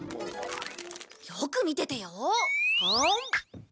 よく見ててよ。